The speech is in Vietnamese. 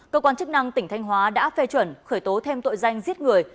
cơ quan chức năng tỉnh thanh hóa đã phê chuẩn khởi tố thêm tội danh giết người